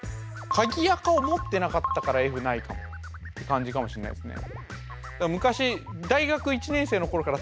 鍵アカを持ってなかったからＦないかもって感じかもしれないですね。